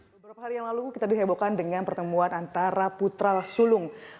beberapa hari yang lalu kita dihebohkan dengan pertemuan antara putra sulung